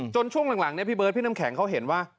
ช่วงหลังเนี่ยพี่เบิร์ดพี่น้ำแข็งเขาเห็นว่า